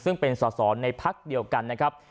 ซึ่งเป็นสอสอในพักเดียวกันนะครับ